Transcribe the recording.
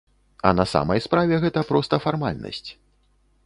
А на самай справе гэта проста фармальнасць.